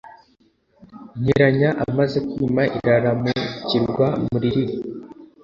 Nkiranya amaze kwima Iraramukirwa Muririre